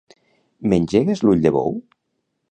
M'engegues l'ull de bou?